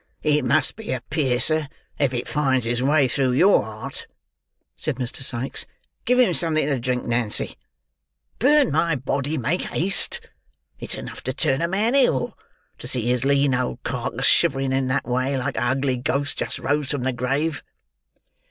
"It must be a piercer, if it finds its way through your heart," said Mr. Sikes. "Give him something to drink, Nancy. Burn my body, make haste! It's enough to turn a man ill, to see his lean old carcase shivering in that way, like a ugly ghost just rose from the grave."